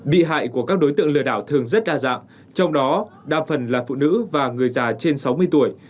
bị hại của các đối tượng lừa đảo thường rất đa dạng trong đó đa phần là phụ nữ và người già trên sáu mươi tuổi